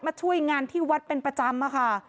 ช่วยงานที่วัดเป็นประจำค่ะ